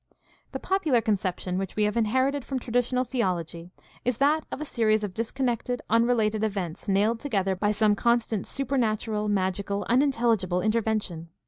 — The popular conception which we have inherited from traditional theology is that of a series of disconnected, unrelated events nailed together by some constant supernatural, magical, unintelli gible intervention.